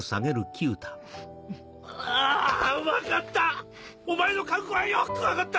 ああ分かった！